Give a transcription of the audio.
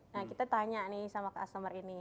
nah kita tanya nih sama customer ini